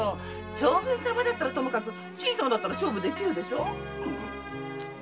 将軍様ならともかく新さんなら勝負できるでしょう？